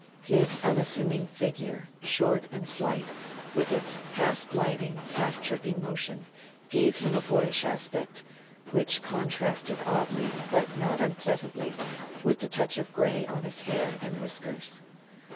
His unassuming figure, short and slight, with its half gliding, half tripping motion, gave him a boyish aspect, which contrasted, oddly, but not unpleasantly, with the touch of grey on his hair and whiskers.